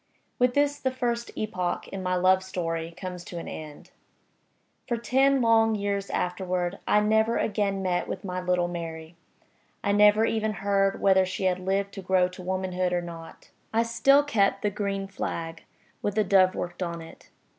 With this the first epoch in my love story comes to an end. For ten long years afterward I never again met with my little Mary; I never even heard whether she had lived to grow to womanhood or not. I still kept the green flag, with the dove worked on it.